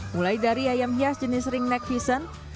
mulai dari ayam hias jenis ring neck pisan